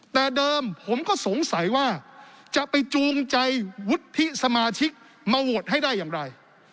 แต่เดิมผมก็สงสัยว่าจะไปจูงใจวุฒิสมาชิกมาโหวตให้ได้อย่างไร